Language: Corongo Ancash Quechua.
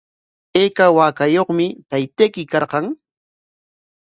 ¿Ayka waakayuqmi taytayki karqan?